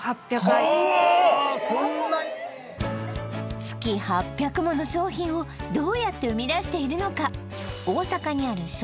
月８００もの商品をどうやって生み出しているのか？